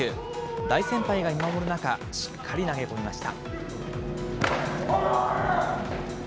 大先輩が見守る中、しっかり投げ込みました。